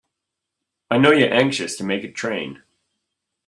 I know you're anxious to make a train.